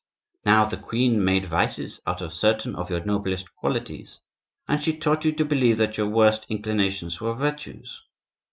Now, the queen made vices out of certain of your noblest qualities, and she taught you to believe that your worst inclinations were virtues.